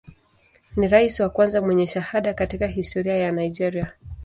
Ni rais wa kwanza mwenye shahada katika historia ya Nigeria.